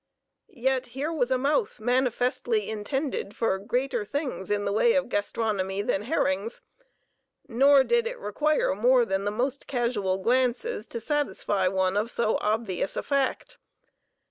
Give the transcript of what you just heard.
Yet here was a mouth manifestly intended for greater things in the way of gastronomy than herrings; nor did it require more than the most casual glances to satisfy one of so obvious a fact.